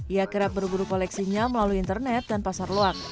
ia kerap berburu koleksinya melalui internet dan pasar luak